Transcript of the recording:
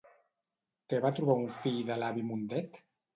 Què va trobar un fill de l'avi Mundet?